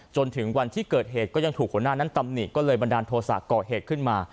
จนถึงวันที่เกิดเหตุก็ยังถูกหัวหน้านั้นตำหนิก็เลยบันดาลโทษะก่อเหตุขึ้นมา